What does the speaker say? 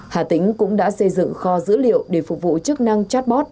hà tĩnh cũng đã xây dựng kho dữ liệu để phục vụ chức năng chatbot